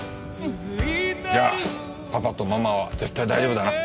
じゃあパパとママは絶対大丈夫だな。